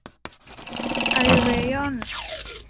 ไทยเรยอน